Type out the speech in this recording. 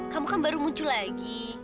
kamu kan baru muncul lagi